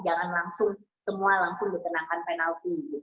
jangan langsung semua langsung ditenangkan penalti